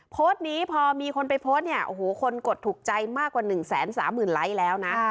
โพสต์นี้พอมีคนไปโพสต์เนี่ยโอ้โหคนกดถูกใจมากกว่า๑๓๐๐๐ไลค์แล้วนะ